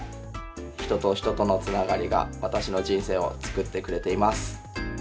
人と人とのつながりが私の人生を作ってくれています。